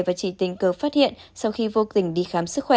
và chỉ tình cờ phát hiện sau khi vô tình đi khám sức khỏe